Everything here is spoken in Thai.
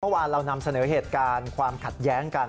เมื่อวานเรานำเสนอเหตุการณ์ความขัดแย้งกัน